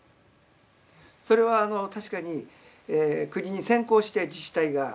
それは確かに国に先行して自治体が。